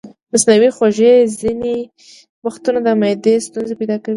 مصنوعي خوږې ځینې وختونه د معدې ستونزې پیدا کوي.